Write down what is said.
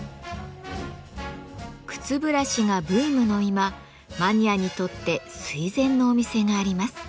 靴ブラシがブームの今マニアにとって垂ぜんのお店があります。